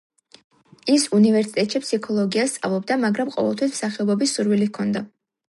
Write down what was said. ის უნივერსიტეტში ფსიქოლოგიას სწავლობდა, მაგრამ ყოველთვის მსახიობობის სურვილი ჰქონდა.